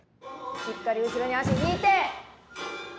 しっかり後ろに足引いて。